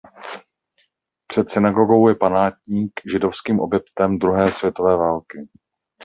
Před synagogou je památník židovským obětem druhé světové války.